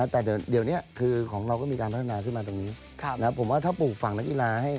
แต่เดี๋ยวนี้คือของเราก็มีการพัฒนาขึ้นมาตรงนี้ผมว่าถ้าปลูกฝั่งนักกีฬาให้